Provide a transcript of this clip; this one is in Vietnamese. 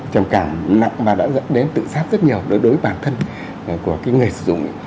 trầm cảm nặng và đã dẫn đến tự sát rất nhiều đối với bản thân của người sử dụng